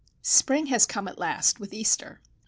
Spring has come at last with Easter.